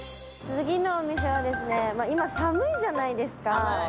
次のお店はですね、今、寒いじゃないですか。